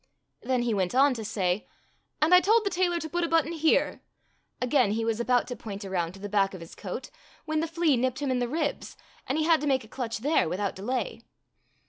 Then he went on to say, ''And I told the tailor to put a button here —" Again he was about to point around to the back of his coat when the flea nipped him in the ribs, and he had to make a clutch there without delay.